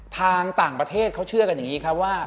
ทางต่างประเทศเขาเชื่อกันอย่างนี้ครับว่า